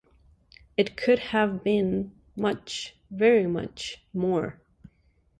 It could have been much - very much - more.